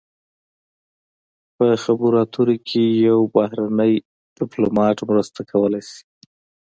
په خبرو اترو کې یو بهرنی ډیپلومات مرسته کولی شي